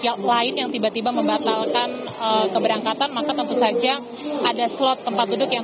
yang lain yang tiba tiba membatalkan keberangkatan maka tentu saja ada slot tempat duduk yang